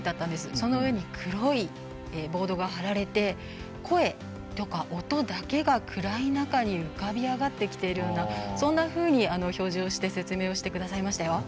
その上に黒いボードが貼られて声とか音だけが暗い中に浮かび上がってきているような表示をして説明してくださいましたよ。